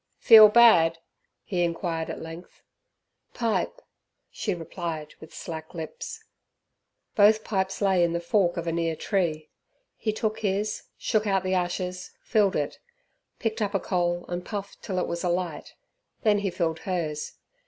"Feel bad?" he inquired at length. "Pipe," she replied with slack lips. Both pipes lay in the fork of a near tree. He took his, shook out the ashes, filled it, picked up a coal and puffed till it was alight then he filled hers.